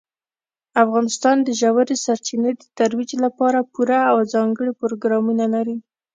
افغانستان د ژورې سرچینې د ترویج لپاره پوره او ځانګړي پروګرامونه لري.